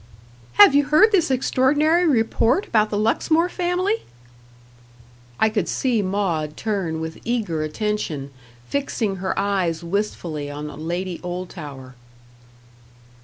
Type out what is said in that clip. "Have you heard this extraordinary report about the Luxmore family?" I could see Maud turn with eager attention fixing her eyes wistfully on Lady Oldtower.